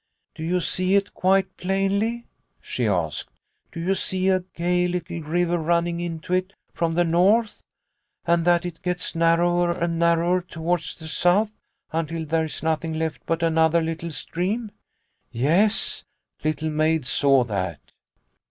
" Do you see it quite plainly ?" she asked. " Do you see a gay little river running into it from the north, and that it gets narrower and narrower towards the south until there is nothing left but another little stream ?''' Yes, Little Maid saw that.